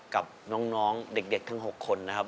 กับน้องเด็กทั้ง๖คนนะครับ